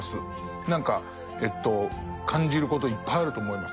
何か感じることいっぱいあると思いますまだまだ。